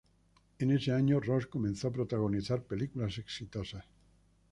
En ese año, Ross comenzó a protagonizar películas exitosas.